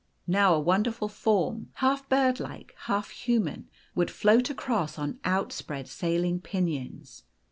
Now a wonderful form, half bird like, half human, would float across on outspread sailing pinions.